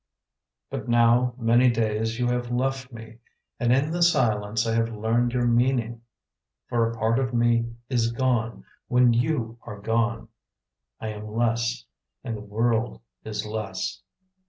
But now many days you have left me. And in the silence I have learned your meaning. For a part of me is gone when you are gone; I am less And the world is less.